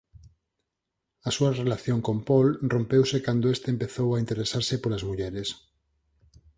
A súa relación con Paul rompeuse cando este empezou a interesarse polas mulleres.